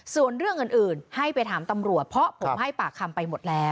ส่วนเรื่องอื่นให้ไปถามตำรวจเพราะผมให้ปากคำไปหมดแล้ว